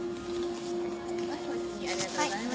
ありがとうございます。